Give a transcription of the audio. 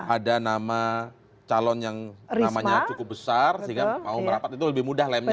ada nama calon yang namanya cukup besar sehingga mau merapat itu lebih mudah lemnya